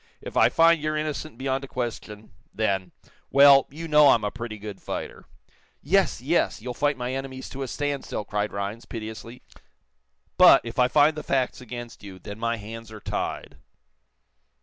If I find you're innocent beyond a question then well, you know I'm a pretty good fighter." "Yes, yes; you'll fight my enemies to a standstill," cried Rhinds, piteously. "But, if I find the facts against you, then my hands are tied."